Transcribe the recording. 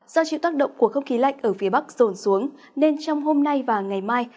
do chịu tác động của không khí lạnh ở phía bắc rồn xuống nên trong hôm nay và ngày mai